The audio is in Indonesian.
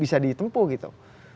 bisa ditempuh gitu